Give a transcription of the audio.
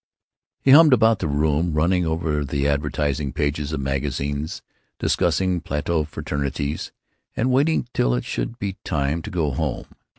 He hummed about the room, running over the advertising pages of magazines, discussing Plato fraternities, and waiting till it should be time to go home.